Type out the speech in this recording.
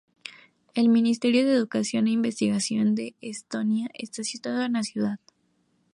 El Ministerio de Educación e Investigación de Estonia está situado en la ciudad.